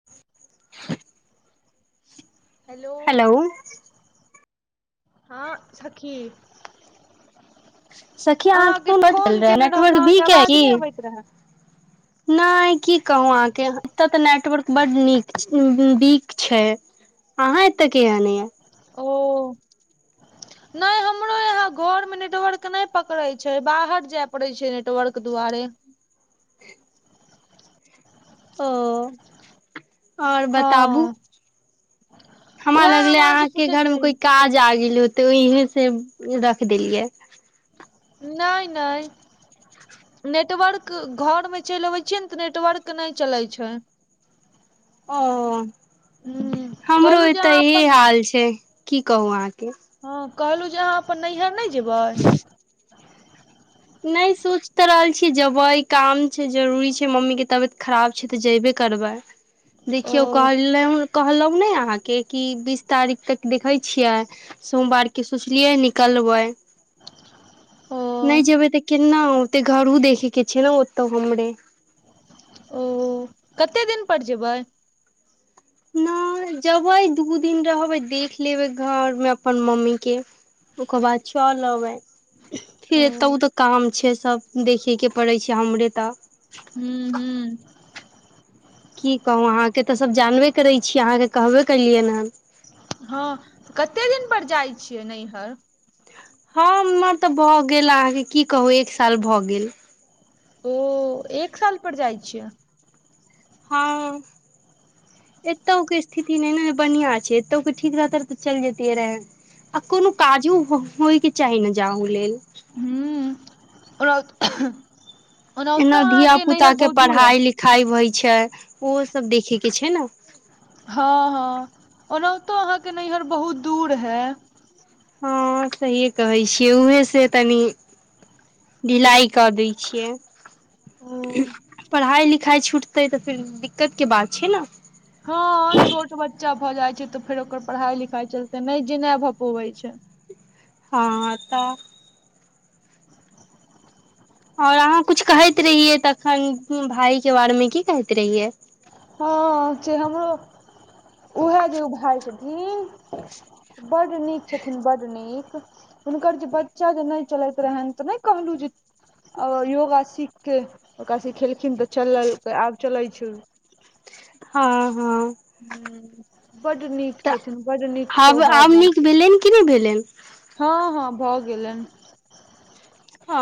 ह। हेलो। हँ, सखी। सखी अहाँकेँ कोनट रहे नेटवर्क तऽ अहाँके बीक है आवाज कि नहि अबैत रहए नहि की कहू अहाँकेँ एत तऽ नेटवर्क बड निक वीक छै। अहाँ एतऽ केह नहि ओ। नहि हमरो यहाँ घरमे नेटवर्क नहि पकड़ैत छै, बाहर जाय पड़ैत छै, नेटवर्क दुआरे। ओ, आओर बताबू। हँ हमरा उएह हम लगले अहाँ से अहाँकेँ पूछैत घरमे रही कोई काज आग होते। तऽ इहसे रख देलियै। नहि, नहि। नेटवर्क घरमे चलि अबै छियै ने तऽ नेटवर्क नहि चलैत छै। ओ हूँ हमरो कहलहुँ जे एतऽ अहाँ इहे अपन हाल छै, की कहू अहाँकेँ हँ, कहलहुँ जे अहाँ अपन नैहर नहि जेबै? नहि सोचि तऽ रहल छियै, जेबै काम छै, जरूरी छै, मम्मीकेँ तबियत खराब छै, तऽ जेबे करबै। ओ देखियौ काल लऽ कहलहुँ ने अहाँकेँ कि बीस तारीख तक देखैत छियै। सोमवारके सोचलियै निकलबै ओ नहि जेबै। तऽ केना ओते घरो देखे के छै ने ओतौ हमरे। ओ, कते दिन पर जेबै? नहि जेबै दू दिन रहबै देख लेबै घरमे अपन मम्मीके। ओकार बाद च आलब। ओ फिर एतहु तऽ काम छै, सभ देखे के पड़े छै, हमरे तऽ हू, हू। की कहू अहाँकेँ तऽ सभ जानबे करै छियै अहाँकेँ कहबे कलियै हन। हँ, कते दिन पर जाइ छियै नैहर। हँ, हमर तऽ भए गेल अहाँकेँ की कहू एक साल भऽ गेल। ओ, एक साल पर जाइ छियै। हँ। एतौके स्थिति नहि ने बढ़ियां छै, एतौके ठीक रहत तऽ चलि जतियै रहे। आ कोनो काजो होयके चाही ने जाले हू, ओ। एना धिय पुताके दूर है पढ़ाई लिखाई होई छै, ओहो सभ देखेके छै ने हँ, हँ, ओनाहितो अहाँकेँ नैहर बहुत दूर है। हँ, सहीये कहै छियै, उहे से तनी ढिलाइ कऽ दै छियै। पढ़ाइ लिखाइ छुटतै तऽ, फेर दिक्कतके बात छै, न हँ, छोट बच्चा भए जाइ छै, तऽ फेर ओकर पढ़ाई लिखाई चलते नहि जेना भए पबैत छै। हँ, त आओर अहाँ कुछ कहैत रहियै तखन भायके बारेमे की कहैत रहियै। हँ, हमरो उएह जे ओ भाय छथिन बड नीक छथिन बड नीक। हुनकर जे बच्चा जे नहि चलैत रहनि तऽ नहि कहलहु योगा सीख के ओकरा सीखेलखिन तऽ चल आब चलै छै। हँ, हँ। ह, बड निक तऽ छथिन बड निक सोहाव बात। की भेलै। हँ हँ भऽ गेलय हँ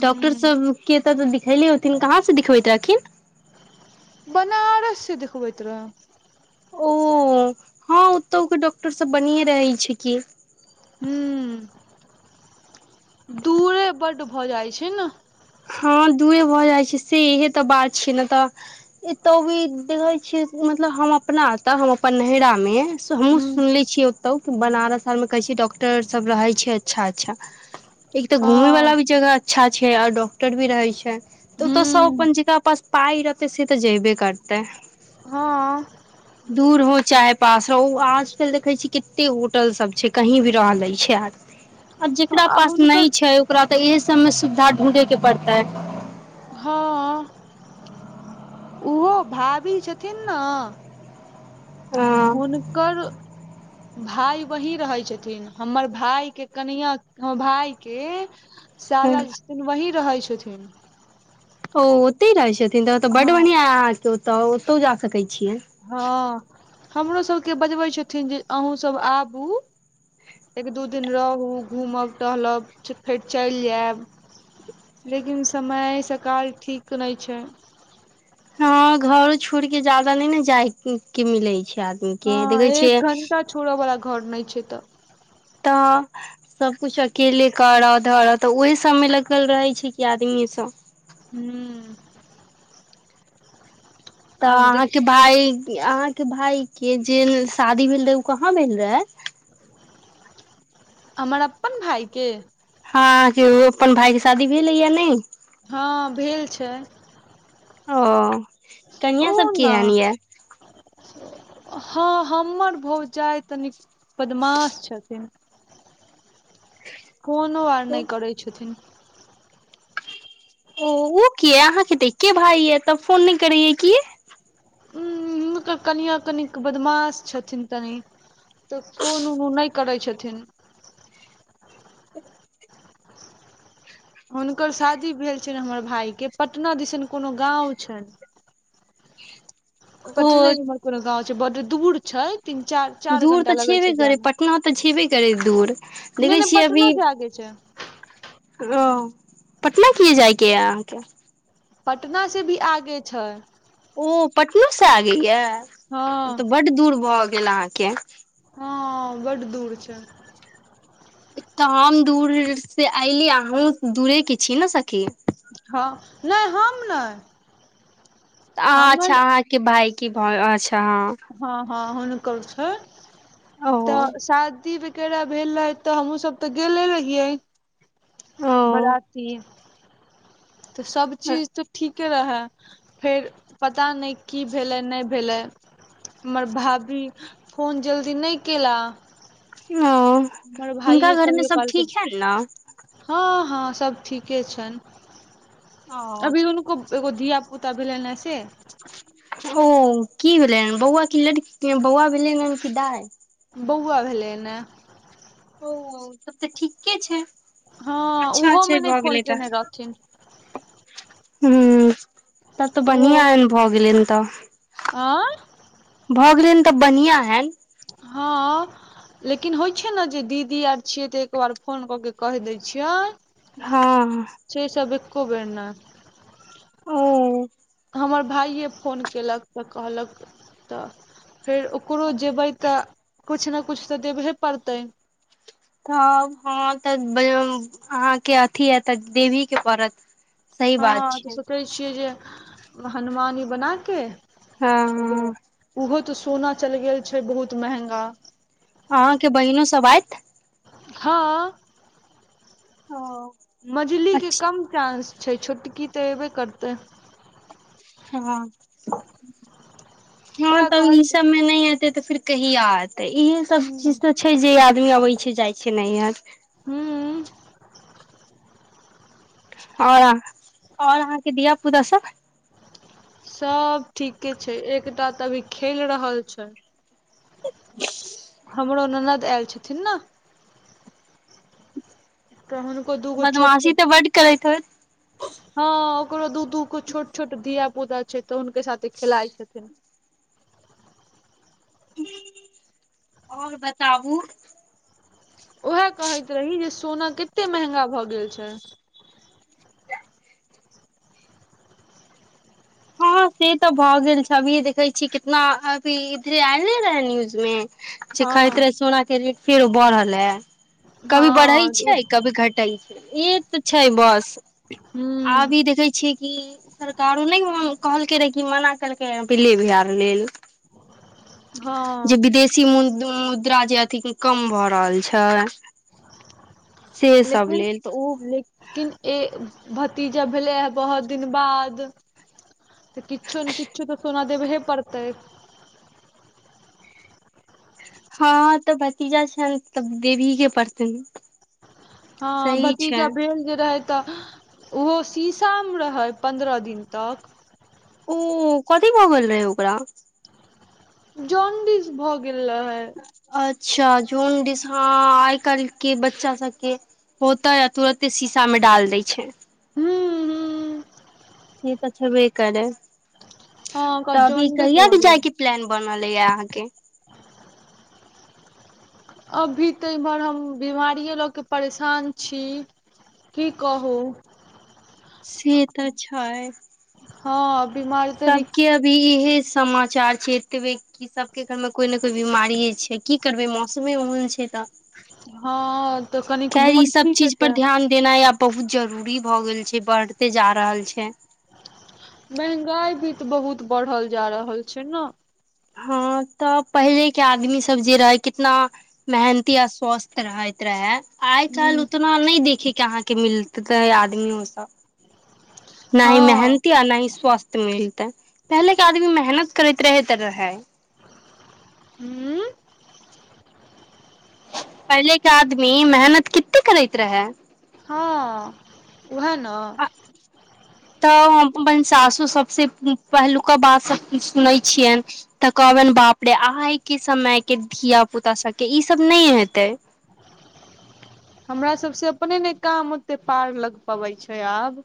डॉक्टर हूँ सब के एतऽ तऽ दिखले होथिन कहाँ से दिखबैत रहथिन बनारस से देखबैत रहय ओ हँ ओतौके डॉक्टर सब बनिये रहै छै कि हूँ दूरे बड्ड भऽ जाई छै ने हँ दूए भऽ जाइ छै से इएहे तऽ बात छै ने तऽ एतौ भी देखे छीय मतलब हम अपना एताऽ हम अपन नैहरा मे हमहु हम्म, सुनले छियै ओतहु कि बनारस आरमे कहै छिय डॉक्टरसभ रहै छै अच्छा अच्छा एक तऽ घूमेय वाला हँ भी जगह अच्छा छै आर डॉक्टर भी रहे छै तऽ ओतो सब हम्म, अपन जकरा पास पाइ रहतै से तऽ जेबे करतै हँ दूर हो चाहे पास हो ओ आजकल देखै छी कते होटल सब छै कहीं भी रहलै छै आद मी आ जेकरा आ पास नहि हुनकर छै ओकरा तऽ इहे सबमे सुविधा ढूंढे के पड़तै हँ ओहो भाभी छथिन न हँ हुनकर भाय वही रहै छथिन हमर भाय के कनिआ भायके साला छथिन वही रहै छथिन ओ ओतहि रहै छथिन तऽ ओतऽ बड हँ बढ़िआं है अहाँके ओत ओतो जा सकैय छियै हँ हमरो सबके बजबै छथिन जे अहूँ सब आबू एक दू दिन रहू घूमब टहलब फेर चलि जायब लेकिन समय सकाल ठीक नहि छै हँ घरो छोड़ के जादा नहि ने जाय के मिलै छै आदमी के हँ देखे छियै एक घंटा छोड़ऽ वला घर नहि छै तऽ तऽ सब कुछ अकेले करऽ धरऽ तऽ ओहि सबमे लगल रहे छै कि आदमी सब हू तऽ अहाँके भाय अहाँके भाय के जे शादी भेल रहे ओ कहाँ भेल रहे हमर अपन भाय के हँ जे ओ अपन भाय के शादी भेलै या नहि हँ भेल छै ओऽ कनिया ओ सब ने किहन ये [inaudible] हँ हमर भौजाई तनिक बदमाश छथिन कोनो आर ओ नहि करै छथिन ओ ओ कि अहाँके तऽ एके भाय य तब फोन नहि करैय कीया उ हुनकर कनिया कनिक बदमाश छथिन तनि तऽ फोन उन नहि करै छथिन [inaudible] [inaudible] हुनकर शादी भेल छैल हमर भाय के पटना दिसन कोनो गाँव छैए ओ पटने कोनो गाँव छै बड दूर छै तीन चार चार दूर तऽ घं्टा लगल छेबे छै करै जायमे पटना तऽ छेबे करै दूर नहि देखै नहि पटनो से आगे छै हॅं पटना किए जाइके यऽ अहाँके पटना से भी आगे छै ओ पटनो से आगे या हँ तऽ बड्ड दूर भऽ गेल अहाँके हँ बड दूर छै तऽ हम दूर से अयली अहूँ दूरेके छी ने सखी हँ नहि हम नहि अह अच्छा हमर अहाँके भाय की भ अच्छा हँ हँ हँ हुनकल छ य हँ ओ तऽ शादी व भेल रहे तऽ हमूँ सब तऽ गेले रहियै ओ बराती तऽ सब चीज तऽ ठीक रहए फेर पता नहि की भेलै नहि भेलै हमर भाभी फोन जल्दी नहि केला अह हमर हुनका भाइये घरमे कहियो सब कालके ठीक हनि न हँ हँ सब ठीके छैन अभी हुनको एगो धिया पुता भेलैन है से ओ की भेलै बौआ क लड़की बौआ भेलै हन कि दाइ बौआ भेलै नए ओ तब तऽ ठीके छै हँ अच्छा उहो छै मे नहि फोन केने रहथिन ह तब तऽ बनिआँ भऽ गेलैन तऽ आऑ भऽ गेलेन तऽ बनिया हैन हँ लेकिन होइ छै ने जे दीदी आर छियै तऽ एको बार फोन कऽ के कहि दै छियै हँ से सबब एको बेर नै ओ हमर भाइये फोन केलक तऽ कहलक तऽ फेर ओकरो जेबै तऽ कुछु नै कुछु तऽ देबहे पड़तै तब हँ तऽ अहाँके अथी ह तऽ देवीही के पड़त सही हँ बात तऽ छै सोचै छियै जे हनुमानी बनाके एगो हँ उहो तऽ सोना चलि गेल छै बहुत महंगा हँ के बहिनो सबआयत हँ ओ मझली के अच्छा कम चानंस छै छोटकी तऽ एबे करतै हँ हँ उएह त ई कहैत सभमे नहि त तऽ फिर कहि आयत इएहे सब चीज हूँ तऽ छै जे आदमी अबै छै जाई छै नैहर हू हया आओर और अहाँके धिया पुता सब सब ठीके छै एकटा तऽ अभी खेल रहल छै [unintelligible] [inaudible] हमरो ननद आयल छथिन न त हुनको दूगो छोट छोट बदमाशी तऽ बड्ड करैत होत हँ ओकरो दू दू गो छोट छोट धिया पुता छै तऽ हुनको साथे खेलाइ छथिन आओर बताबु उएह कहैत रही जे सोना कते महँगा भऽ गेल छै त [unintelligible] [unintelligible] हँ से तऽ भए गेल छै अभीे देखै छी कितना अभीए इधरे आयले रहे न्यूज मे जे खहैत हँ रहे सोना के रेट फेरो बढ़ल हैए कभी बढ़ै हँ छै कभी घटै छै ई तऽ छै बस ह आबी देखै छियै कि सरकारो नहि कहलकै रहे कि मना केलकै पी ले भिहार लिल जे हँ विदेश षी मुद्रा जे अथि कम भऽ रहल छै [unintelligible] [unintelligible] से सब लेकिन लेल तऽ ओ ले किन ए भतीजा भेलै हेए बहुत दिन बाद तऽ किछु ने किछु तऽ सोना देब हे पड़तै हँ तऽ भतीजा छेऽल त देवी के परतै हँ भतीजा भेल जे रहै तऽ ओहो शीशामे रहै पन्द्रह दिन तक ओ कथी भगल रहै ओकरा जॉन्डिस भऽ गेल रहै अच्छा जोनडिस हां आइ काल्हि के बच्चा सबके होतै आ तुरते शीशा में डाल दय छै हूँ हूँ से तऽ छेबे करै हँ ओकरा तऽ अभी जॉन्डिस कहिया भऽ भी गेलै जाइके प्लान बनल या अहाँ के अभी तऽ एमहर हम बीमारीये लऽ के परेशान छी की कहू से तऽ छै हँ बीमारी तनी सबके अभी इहे समा चार छै एतबे की सबके घर मे कोई ने कोई बीमारी छै की करबे मौसमे ओहन छै तऽ हँ तऽ कनिक खैर ई मोन सब ठीक चीज पर हेतै ध्यान देनाइ आब बहुत जरूरी भऽ गेल छै बढ़ते जा रहल छै महंगाई भी तऽ बहुत बढ़ल जा रहल छै ना हँ तऽ पहिले के आदमी सब जे रहै कितना मेहनती आ स्वस्थ रहैत रहे आइ काल्हि ह उतना नहि देखे के अहाँके मिलततै आदमियो सब ना ही हँ मेहनती आ न ही स्वास्थ मिलते पहले के आदमी मेहनत करैत रहेैत रहे हूँ पहिले के आदमी मेहनत किते करैत रहै हँ उहेन आ तऽ अपन सासू सबसँ पहिलुका बात सब सुनै छियनि तऽ कहबिन बाप रे आइ के समय के धिया पुता सबके ईसभ नहि हेतै हमरा सब से अपने ने काम ओते पार लग पबै छै आब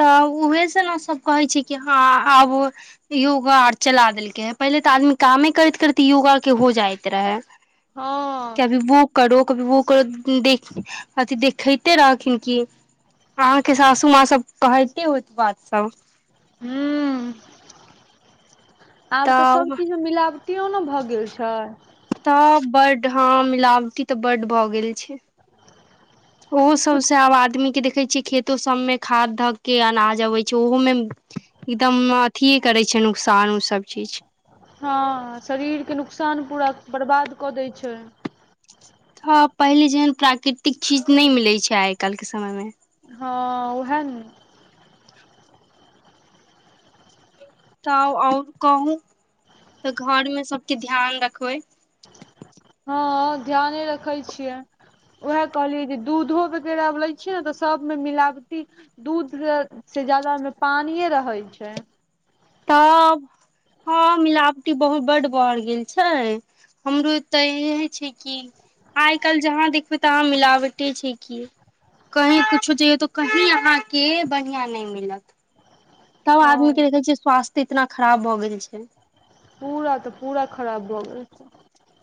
तऽ उहेसँ ने सभ कहै छी कि हँ आब योगा आर चला देलकै है पहिले तऽ आदमी कामे करैत करैत योगा के हो जाइत रहे हँ कभी वो करो कभी वो करो देख अथि देखैते रहखिन की अहांके सासू माँ सब कहेते होत बात सब हूं आब तऽ सब चीज मे मिला बटीयो ने भऽ गेल छै तऽ बड्ड हँ मिलावटी तऽ बड्ड भऽ गेल छै ओहो सबसे आब आदमी के देखै छियै खेतो सम्मे खाद धऽ के अनाज अबै छै ओहोमे एकदम अथि करै छै नुकसान ओ सब चीज हँ शरीरके नुकसान पूरा बर्बाद कऽ दै छै हँ पहिले जेहन प्राकृतिक चीज नहि मिलै छै आइ काल्हि के समय मे हँ उएह नू तऽ आओर कहू तऽ घर मे सबके ध्यान रखबै हँ ध्याने रखै छियै उएह कहलियै जे दूधो वगैरह लै छै ने तऽ सबमे मिलावटी दूध से ज्यदा पानिये रहैत छै तब हँ मिलावटी बहुत बड्ड बढ़ गेल छै हमरो एऽ तैये छी कि आइ काल्हि जहाँ देखबै तहां मिलावटे छै की कही कुछो जईयो तो कही अहाँके बढ़िआं नहि मिलत तब हँ आदमी के देखै छियै स्वास्थ्य इतना खराब भऽ गेल छै पूरा तऽ पूरा खराब भऽ गेल।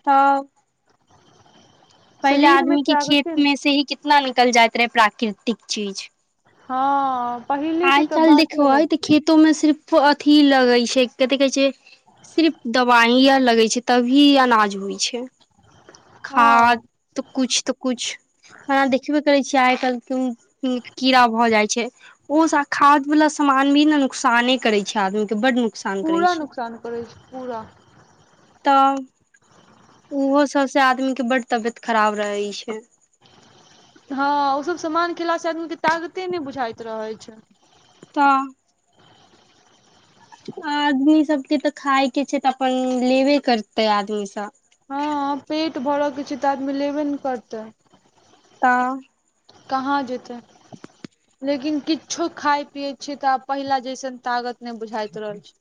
तऽ। पहिले शरीर मे आदमीके तागते ने। खेतमे से ही कितना निकल जाइत रहे प्राकृतिक चीज। हँ। पहिले के आइ तऽ काल बाते देखबै अलग तऽ छै। खेतोमे सिर्फ अथि लगै छै, कथी कहै छै। सिर्फ दवाई आर लगै छै, तभी अनाज होइ छै, हँ खाद त किुछ, त किुछ। खाना देखबे करै छियै, आइ काल्हि कीड़ा भऽ जाइ छै। ओ खाद वाला समान भी ने नुकसाने करे छै, आदमीके बड न पूरा नुकसान करै छै, पूरा तऽ। ओहो सभसँ आदमीके बड तबियत खराब रहै छै। हँ, ओ सभ समामान खेला से आदमीके ताकते नहि बुझाइत रहै छै। हा। आदमी सभके तऽ खायके छै, तऽ अपन लेबे करतै आदमी सभ। हँ, पेट भरऽ के छै, तऽ आदमी लेबे ने करतै है। कहाँ जेतै। [inaudible] लेकिन किछो खाय पिये छै ते आब पहिला जैसन ताकत ने बुझाइत रहल छै।